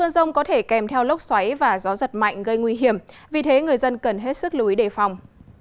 đêm theo lốc xoáy và gió giật mạnh gây nguy hiểm vì thế người dân cần hết sức lưu ý đề phòng